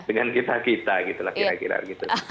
dengan kita kita gitu lah kira kira gitu